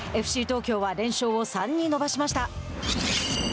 ＦＣ東京は連勝を３に伸ばしました。